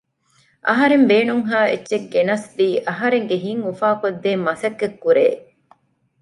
އަހަރެން ބޭނުންހާ އެއްޗެއް ގެނަސްދީ އަހަރެންގެ ހިތް އުފާ ކޮށްދޭން މަސައްކަތް ކުރޭ